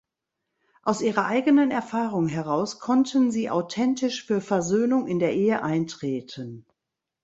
Aus ihrer eigenen Erfahrung heraus konnten sie authentisch für Versöhnung in der Ehe eintreten.